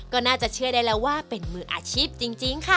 ก็น่าจะเชื่อได้แล้วว่าเป็นมืออาชีพจริงค่ะ